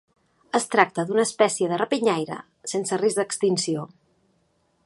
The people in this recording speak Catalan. Es tracta d'una espècie de rapinyaire sense risc d'extinció.